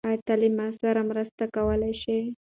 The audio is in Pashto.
آیا ته له ما سره مرسته کولی شې؟